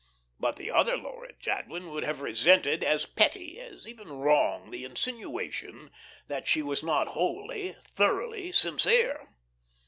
But the other Laura Jadwin would have resented as petty, as even wrong, the insinuation that she was not wholly, thoroughly sincere.